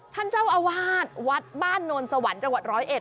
ท่านเจ้าอาวาสวัดบ้านโนนสวรรค์จังหวัดร้อยเอ็ด